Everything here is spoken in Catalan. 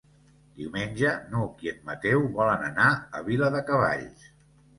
Diumenge n'Hug i en Mateu volen anar a Viladecavalls.